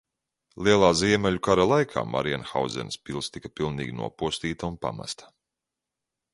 Lielā Ziemeļu kara laikā Marienhauzenas pils tika pilnīgi nopostīta un pamesta.